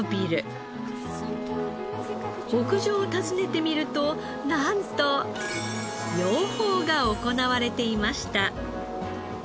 屋上を訪ねてみるとなんと養蜂が行われていました。